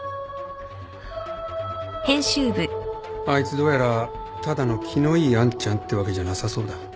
あいつどうやらただの気のいい兄ちゃんってわけじゃなさそうだ。